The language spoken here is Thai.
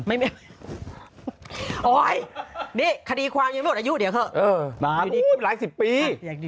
นี่คดีความันยังไม่หลอกอายุเดี๋ยวเถอะเออมา้รู้หลายสิบปี